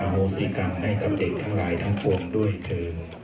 โหสิกรรมให้กับเด็กทั้งหลายทั้งคนด้วยเชิญ